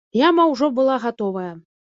Яма ўжо была гатовая.